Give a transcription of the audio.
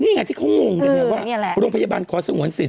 นี่ไงที่เขางงกันไงว่าโรงพยาบาลขอสงวนสิทธ